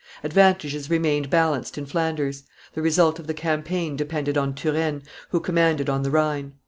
Advantages remained balanced in Flanders; the result of the campaign depended on Turenne, who commanded on the Rhine.